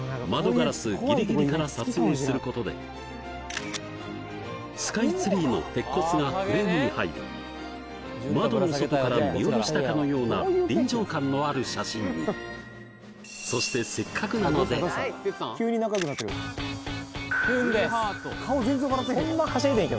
ガラスギリギリから撮影することでスカイツリーの鉄骨がフレームに入り窓の外から見下ろしたかのような臨場感のある写真にそして・顔全然笑ってへん